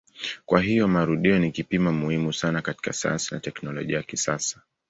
Kwa hiyo marudio ni kipimo muhimu sana katika sayansi na teknolojia ya kisasa.